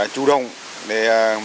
chủ động để